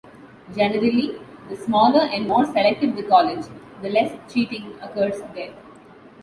Generally, the smaller and more selective the college, the less cheating occurs there.